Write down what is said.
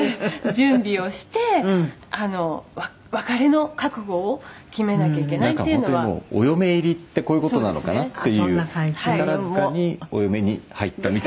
「準備をして別れの覚悟を決めなきゃいけない」「本当にもうお嫁入りってこういう事なのかなっていう宝塚にお嫁に入ったみたいな」